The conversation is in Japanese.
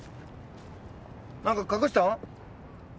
何か隠したん？